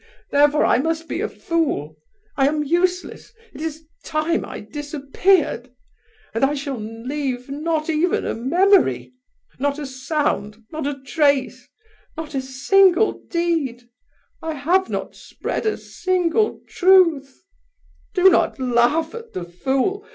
Therefore I must be a fool, I am useless, it is time I disappeared! And I shall leave not even a memory! Not a sound, not a trace, not a single deed! I have not spread a single truth!... Do not laugh at the fool!